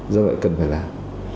do vậy cần phải làm